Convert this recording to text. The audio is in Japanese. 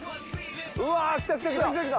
うわ来た来た来た。